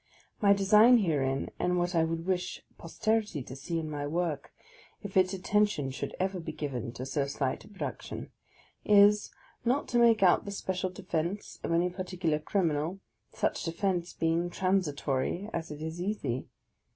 My design herein (and what I would wish posterity to see in my work, if its attention should ever be given to so slight a production) is, not to make out the special defence of any particular criminal, such defence being transi tory as it is easy.